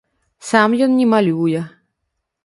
Сам ён не малюе.